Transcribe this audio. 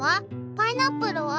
パイナップルは？